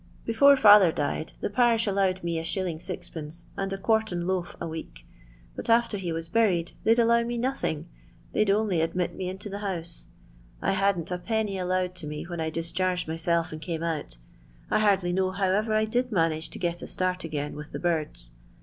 " Before father died, the parish allowed na li. 6«L anda quartern loaf a week; but after he waa buried, they 'd allow me nothing ; they 'd only admit mk into the house. I hadn't a penny allowed to ■• when I discharged myself and came out I haidlj know how ever I did manage to get a start a^ia with the birds.